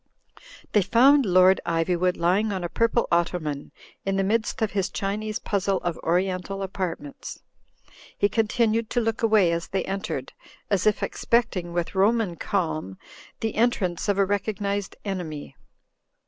They found Lord Ivjrwood lying on a purple otto man, in the midst 'of his Qiinese puzzle of oriental apartments. He continued to look away as they en tered, as if expecting, with Roman calm, the entrance of a recognised enemy.